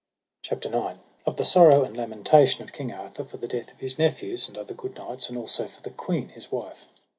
CHAPTER IX. Of the sorrow and lamentation of King Arthur for the death of his nephews and other good knights, and also for the queen, his wife.